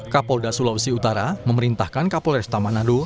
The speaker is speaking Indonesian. kapolda sulawesi utara memerintahkan kapolresta manado